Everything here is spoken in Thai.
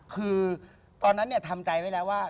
คือตอนนั้นทำใจไว้แล้วว่า